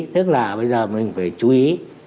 tức là bây giờ mình phải chú ý